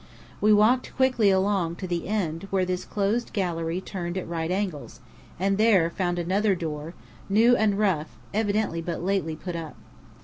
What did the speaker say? We walked quickly along to the end where this closed gallery turned at right angles, and there found another door, new and rough, evidently but lately put up.